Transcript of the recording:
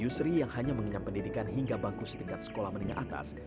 yusri yang hanya mengenam pendidikan hingga bangkus tingkat sekolah meningkat atas